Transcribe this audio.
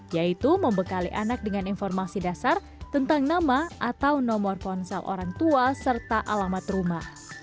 yaitu membekali anak dengan informasi dasar tentang nama atau nomor ponsel orang tua serta alamat rumah